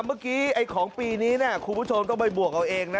เมื่อกี้ของปีนี้คุณผู้ชมต้องไปบวกเอาเองนะ